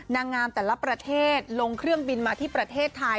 นางงามแต่ละประเทศลงเครื่องบินมาที่ประเทศไทย